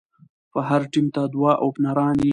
هر ټيم ته دوه اوپنران يي.